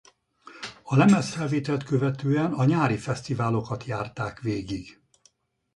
A lemezfelvételt követően a nyári fesztiválokat járták végig.